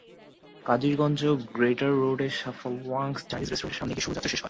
Kadirganj greater রোডে সাফাওয়াং Chinese রেস্টুরেন্টের সামনে গিয়ে শোভাযাত্রা শেষ হয়।